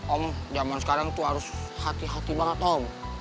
om zaman sekarang tuh harus hati hati banget om